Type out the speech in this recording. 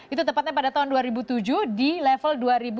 itu tepatnya pada tahun dua ribu tujuh di level dua ribu satu ratus enam belas